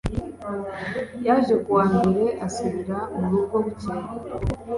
yaje ku wa mbere asubira mu rugo bukeye